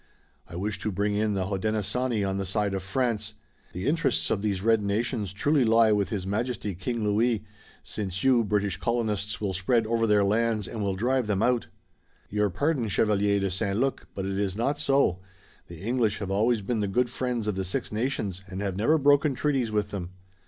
I wish to bring in the Hodenosaunee on the side of France. The interests of these red nations truly lie with His Majesty King Louis, since you British colonists will spread over their lands and will drive them out." "Your pardon, Chevalier de St. Luc, but it is not so. The English have always been the good friends of the Six Nations, and have never broken treaties with them."